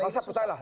masa percaya lah